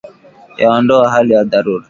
Yaondoa hali ya dharura.